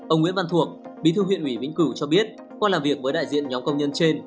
ông nguyễn văn thuộc bí thư huyện ủy vĩnh cửu cho biết qua làm việc với đại diện nhóm công nhân trên